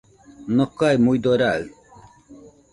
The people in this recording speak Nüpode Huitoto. Nokae muidomo raɨ